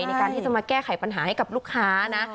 ในการที่จะมาแก้ไขปัญหาให้กับลูกค้านะ